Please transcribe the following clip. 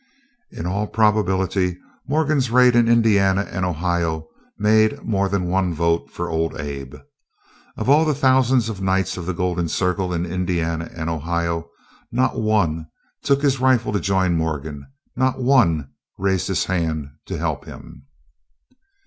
In all probability Morgan's raid in Indiana and Ohio made more than one vote for old Abe. Of all the thousands of Knights of the Golden Circle in Indiana and Ohio, not one took his rifle to join Morgan, not one raised his hand to help him.